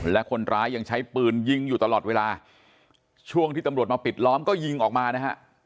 และคนร้ายยังใช้ปืนยิงอยู่ตลอดเวลาช่วงที่ตำรวจมาปิดล้อมก็ยิงออกมานะฮะ